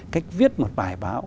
cách viết một bài báo